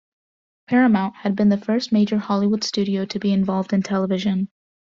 Paramount had been the first major Hollywood studio to be involved in television.